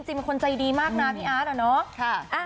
จริงคนใจดีมากนานนะพี่อาร์ดเหรอวะค่ะ